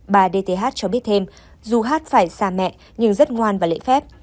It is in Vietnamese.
bà dth cho biết thêm dù hát phải xa mẹ nhưng rất ngoan và lễ phép